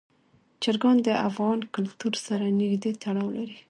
چرګان د افغان کلتور سره نږدې تړاو لري.